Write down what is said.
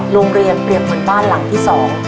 โรงเรียนเปรียบกับบ้านหลังที่สอง